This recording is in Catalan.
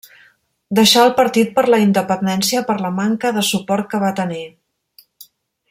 Deixà el Partit per la Independència per la manca de suport que va tenir.